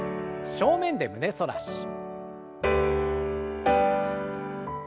正面で胸反らし。